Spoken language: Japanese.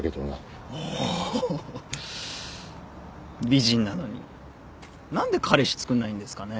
美人なのに何で彼氏つくんないんですかね。